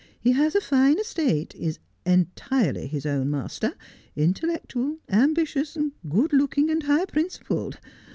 He has a fine estate, is entirely his own master, intellectual, ambitious, good looking, high principled.